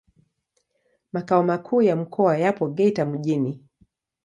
Makao makuu ya mkoa yapo Geita mjini.